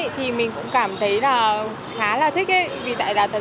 thì mình cũng cảm thấy khá là thích